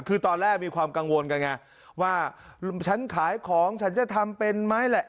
คือตอนแรกมีความกังวลกันไงว่าฉันขายของฉันจะทำเป็นไหมแหละ